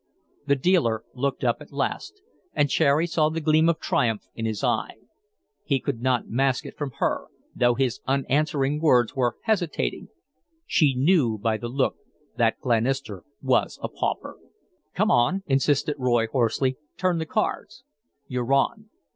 The dealer looked up at last, and Cherry saw the gleam of triumph in his eye; he could not mask it from her, though his answering words were hesitating. She knew by the look that Glenister was a pauper. "Come on," insisted Roy, hoarsely. "Turn the cards." "You're on!"